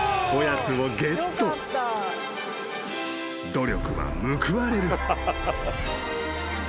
［努力は報われる］